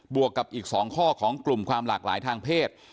วกกับอีก๒ข้อของกลุ่มความหลากหลายทางเพศ